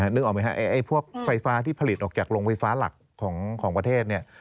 นึกออกไหมฮะไฟฟ้าที่ผลิตออกจากโลงไฟฟ้าหลักของประเทศ